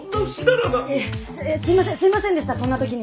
いやすいませんすいませんでしたそんな時に。